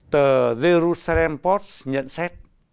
tờ jerusalem post nhận xét